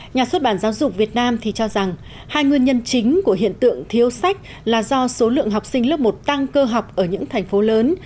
nhà xuất bản giáo dục việt nam thì cho rằng hai nguyên nhân chính của hiện tượng thiếu sách là do số lượng học sinh lớp một tăng cơ học ở những thành phố lớn